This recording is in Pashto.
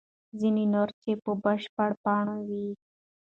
ځینې نور چای په بشپړو پاڼو وي.